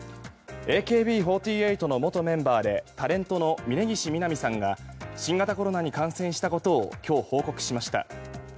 ＡＫＢ４８の元メンバーでタレントの峯岸みなみさんが新型コロナに感染したことを今日、報告しました。